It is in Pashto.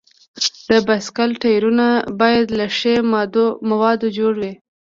د بایسکل ټایرونه باید له ښي موادو جوړ وي.